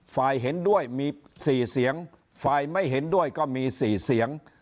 ฝ่ายเห็นด้วยมีสี่เสียงฝ่ายไม่เห็นด้วยก็มีสี่เสียง